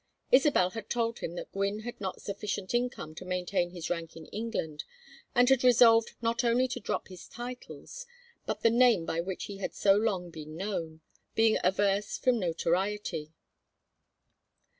Isabel had told him that Gwynne had not sufficient income to maintain his rank in England, and had resolved not only to drop his titles, but the name by which he had so long been known; being averse from notoriety.